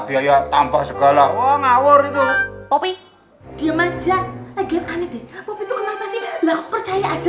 biaya tambah segala ngawur itu popi diam aja lagi aneh deh popi itu kenapa sih lah percaya